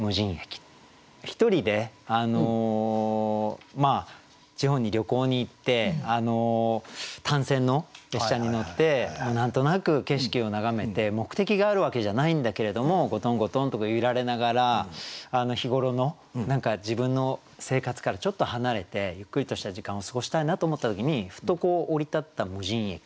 １人で地方に旅行に行って単線の列車に乗って何となく景色を眺めて目的があるわけじゃないんだけれどもゴトンゴトンと揺られながら日頃の自分の生活からちょっと離れてゆっくりとした時間を過ごしたいなと思った時にふと降り立った無人駅。